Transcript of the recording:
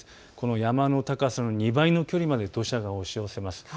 山の高さの２倍の距離まで土砂が押し寄せます。